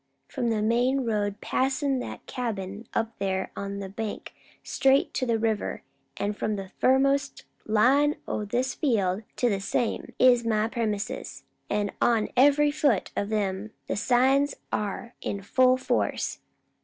From the main road passin' that cabin up there on the bank, straight to the river, an' from the furthermost line o' this field to the same, is my premises, an' on every foot of 'em the signs are in full force.